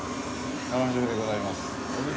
楽しみでございます。